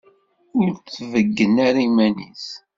Ur d-tbeyyen ara iman-is.